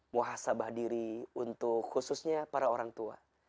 muha sabah diri untuk khususnya para orang tua